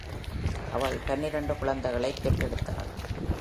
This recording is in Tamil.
அவள் பன்னிரண்டு குழந்தைகளைப் பெற்றெடுத்தாள்.